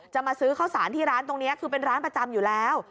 มาซื้อข้าวสารที่ร้านตรงนี้คือเป็นร้านประจำอยู่แล้ว